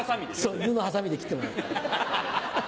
そう犬のハサミで切ってもらった。